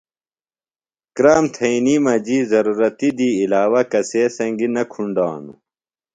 کرام تھئینی مجیۡ ضرورَتیۡ دی عِلاوہ کسے سنگیۡ نہ کُھنڈانوۡ۔